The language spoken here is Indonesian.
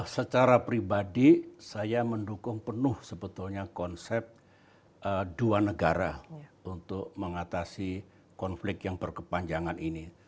secara pribadi saya mendukung penuh sebetulnya konsep dua negara untuk mengatasi konflik yang berkepanjangan ini